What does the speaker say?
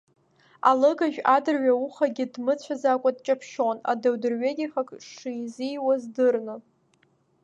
Алыгажә адырҩаухагьы дмыцәаӡакәа дҷаԥшьон, адау дырҩегьых ак шизиуаз дырны…